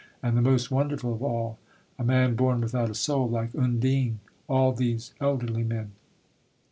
And, the most wonderful of all, a man born without a soul, like Undine all these elderly men.